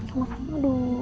kamu apa aduh